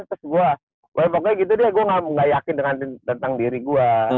terus gue pokoknya gitu deh gue gak yakin tentang diri gue